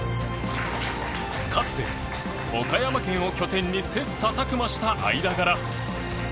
かつて、岡山県を拠点に切磋琢磨した間柄。